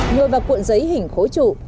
nhồi vào cuộn giấy hình khối trụ